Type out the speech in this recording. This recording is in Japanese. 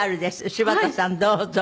柴田さんどうぞ。